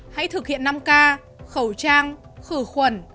hãy thực hiện năm k khẩu trang khử khuẩn